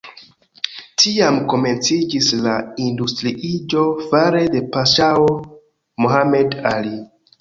Tiam komenciĝis la industriiĝo fare de paŝao Mohamed Ali.